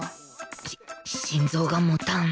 し心臓が持たん